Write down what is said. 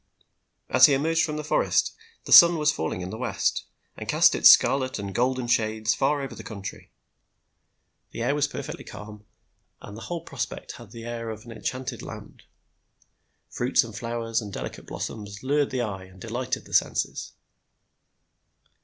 As he emerged from the forest the sun was falling in the west, and cast its scarlet and golden shades far over the country. The air was perfectly calm, and the whole prospect had the air of an enchanted land. Fruits and flowers and delicate blossoms lured the eye and delighted the senses.